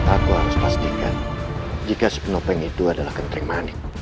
aku harus pastikan jika si penopeng itu adalah kenteng manik